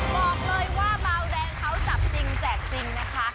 บอกเลยว่าเบาแดงเขาจับจริงแจกจริงนะคะ